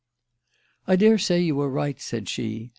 "I daresay you are right," said she.